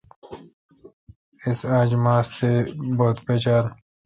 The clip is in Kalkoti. اس اج ماس تے بت پچال۔